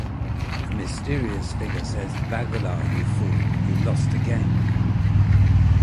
A mysterious figure says Bagular you fool, you lost again!